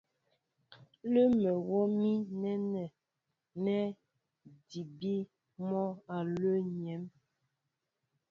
Ǹlə́ ḿ wɔ mi nɛ́nɛ́ nɛ́ ńdííbí mɔ́ álɛ́ɛ́ myēŋ.